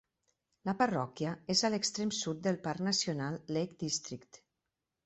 La parròquia és a l'extrem sud del Parc Nacional Lake District.